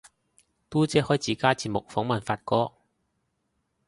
嘟姐開自家節目訪問發哥